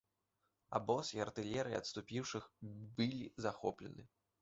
Абоз і артылерыя адступіўшых былі захоплены.